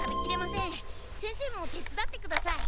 先生も手つだってください。